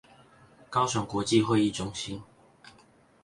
高雄國際會議中心